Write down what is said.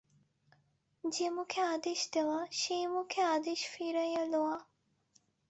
যে মুখে আদেশ দেওয়া সেই মুখে আদেশ ফিরাইয়া লওয়া?